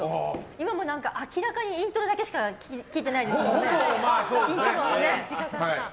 今も明らかにイントロだけしか聴いてないですよね。